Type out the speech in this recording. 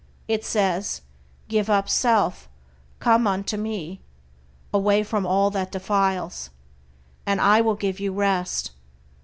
It says, "Give up self," "Come unto Me" (away from all that defiles) "and I will give you rest."